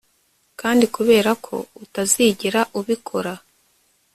kandi kubera ko utazigera ubikora